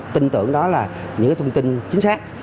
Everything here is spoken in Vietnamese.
tin tưởng đó là những thông tin chính xác